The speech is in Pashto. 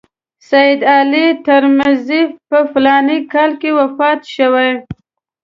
سید علي ترمذي په فلاني کال کې وفات شوی.